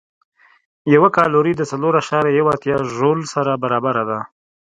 یوه کالوري د څلور اعشاریه یو اتیا ژول سره برابره ده.